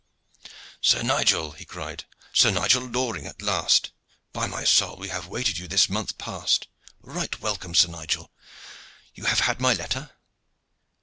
"Sir Nigel!" he cried. "Sir Nigel Loring, at last! By my soul we have awaited you this month past. Right welcome, Sir Nigel! You have had my letter?"